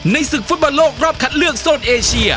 ศึกฟุตบอลโลกรอบคัดเลือกโซนเอเชีย